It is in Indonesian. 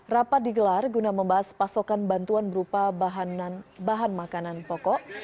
rapat digelar guna membahas pasokan bantuan berupa bahan makanan pokok